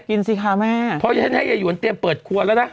กินสิคะแม่เพราะฉันให้ยะหยุนเตรียมเปิดคลัวแล้วนะ